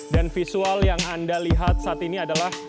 dan visual yang anda lihat saat ini adalah